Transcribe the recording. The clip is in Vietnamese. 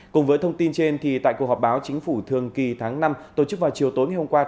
cùng với thông tin trên tại cuộc họp báo chính phủ thường kỳ tháng năm tổ chức vào chiều tối ngày hôm qua